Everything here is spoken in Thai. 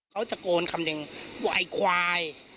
เขาตะโกนคำหนึ่งว่าไอ้ควาย